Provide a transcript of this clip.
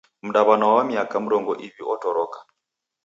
Mdaw'ana wa miaka mrongo iw'i otoroka.